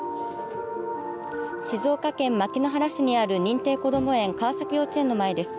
静岡県牧之原市にある認定こども園、川崎幼稚園の前です。